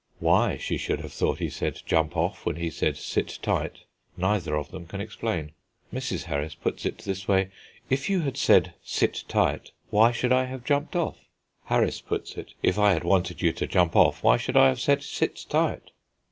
Why she should have thought he said "Jump off," when he said "Sit tight," neither of them can explain. Mrs. Harris puts it in this way, "If you had said, 'Sit tight,' why should I have jumped off?" Harris puts it, "If I had wanted you to jump off, why should I have said 'Sit tight!'?"